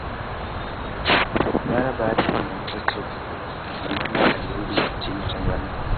Mara baada ya kumaliza chuo kikuu, Jumanne alirudi nchini Tanzania.